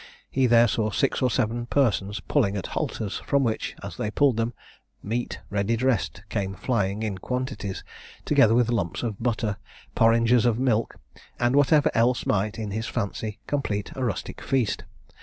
He there saw six or seven persons pulling at halters, from which, as they pulled them, meat ready dressed came flying in quantities, together with lumps of butter, porringers of milk, and whatever else might, in his fancy, complete a rustic feast.